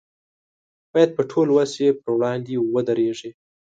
باید په ټول وس یې پر وړاندې ودرېږي.